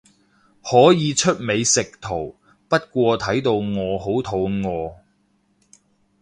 可以出美食圖，不過睇到我好肚餓